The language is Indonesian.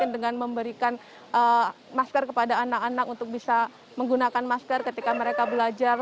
dengan memberikan masker kepada anak anak untuk bisa menggunakan masker ketika mereka belajar